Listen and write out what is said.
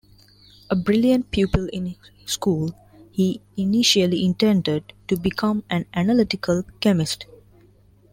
A brilliant pupil in school, he initially intended to become an analytical chemist.